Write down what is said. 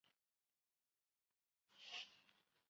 阿马迪纳是巴西巴伊亚州的一个市镇。